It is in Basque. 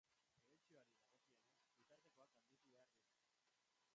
Prebentzioari dagokionez, bitartekoak handitu behar dira.